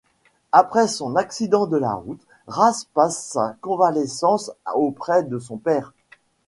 Après son accident de la route, Race passe sa convalescence auprès de son père.